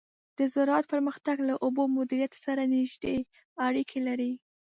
د زراعت پرمختګ له اوبو مدیریت سره نږدې اړیکه لري.